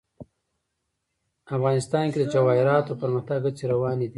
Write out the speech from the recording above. افغانستان کې د جواهرات د پرمختګ هڅې روانې دي.